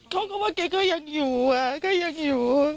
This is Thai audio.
เขาก็ว่าแกก็ยังอยู่ก็ยังอยู่